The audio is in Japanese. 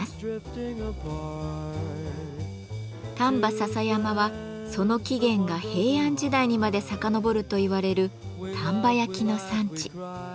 丹波篠山はその起源が平安時代にまでさかのぼるといわれる丹波焼の産地。